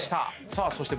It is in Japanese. さあそして。